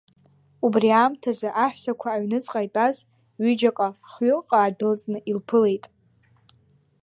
Убри аамҭазы аҳәсақәа аҩныҵҟа итәаз ҩыџьаҟа-хҩыкҟа аадәылҵны илԥылеит.